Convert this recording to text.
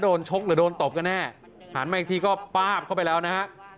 ชกหรือโดนตบกันแน่หันมาอีกทีก็ป้าบเข้าไปแล้วนะฮะ